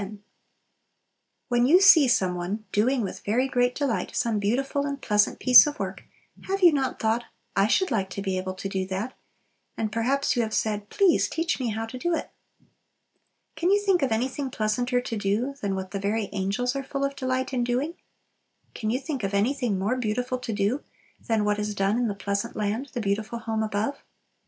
10. When you see some one doing with very great delight some beautiful and pleasant piece of work, have you not thought, "I should like to be able to do that!" and perhaps you have said, "Please, teach me how to do it." Can you think of anything pleasanter to do than what the very angels are full of delight in doing? Can you think of anything more beautiful to do than what is done in the "pleasant land," the beautiful home above?